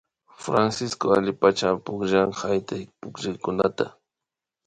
Francisco allipachami pukllan haytaypukllayta